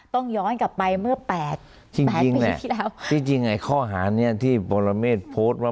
ต้องย้อนกลับไปเมื่อ๘ปีที่แล้ว